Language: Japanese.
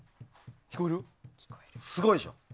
すごいでしょ。